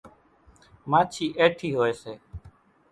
ماڇِي ايٺِي هوئيَ سي۔